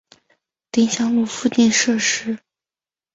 丁香路附近设施